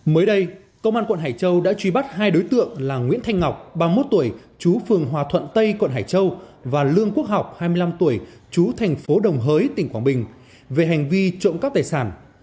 mới đây công an quận hải châu đã truy bắt hai đối tượng là nguyễn thanh ngọc ba mươi một tuổi chú phường hòa thuận tây quận hải châu và lương quốc học hai mươi năm tuổi chú thành phố đồng hới tỉnh quảng bình về hành vi trộm cắp tài sản